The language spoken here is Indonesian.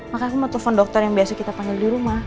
maka aku mau telepon dokter yang biasa kita panggil di rumah